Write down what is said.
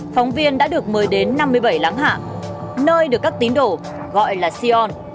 phóng viên đã được mời đến năm mươi bảy láng hạng nơi được các tín đồ gọi là sion